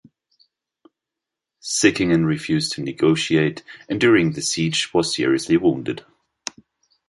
Sickingen refused to negotiate, and during the siege was seriously wounded.